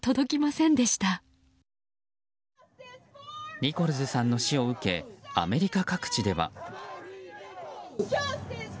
ニコルズさんの死を受けアメリカ各地では。